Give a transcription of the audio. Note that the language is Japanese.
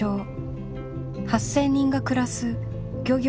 ８，０００人が暮らす漁業の町。